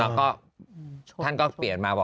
แล้วก็ท่านก็เปลี่ยนมาบอก